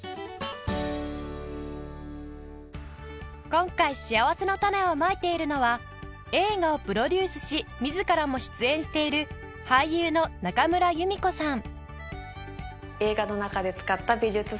今回しあわせのたねをまいているのは映画をプロデュースし自らも出演している俳優の中村祐美子さん